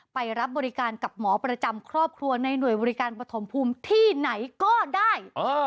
ไปรับบริการกับหมอประจำครอบครัวในหน่วยบริการปฐมภูมิที่ไหนก็ได้